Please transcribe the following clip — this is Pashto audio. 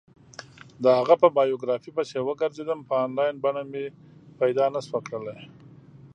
د هغه په بایوګرافي پسې وگرځېدم، په انلاین بڼه مې پیدا نه شوه کړلی.